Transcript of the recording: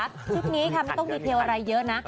ชุดนี้ค่ะไม่ต้องดีเทลอะไรเยอะนะ